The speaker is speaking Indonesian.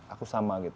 aku sama gitu